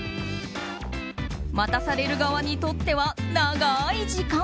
待たされる側にとっては長い時間。